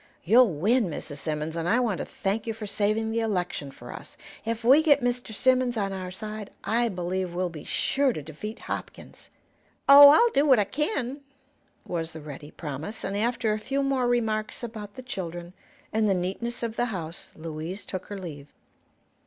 You'll win, Mrs. Simmons, and I want to thank you for saving the election for us. If we get Mr. Simmons on our side I believe we'll be sure to defeat Hopkins." "Oh, I'll do what I kin," was the ready promise, and after a few more remarks about the children and the neatness of the house, Louise took her leave.